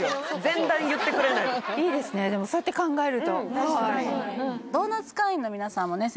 前段言ってくれないといいですねでもそうやって考えるとドーナツ会員の皆さんもね